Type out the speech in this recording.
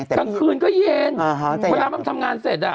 กลางคืนก็เย็นเวลามันทำงานเสร็จ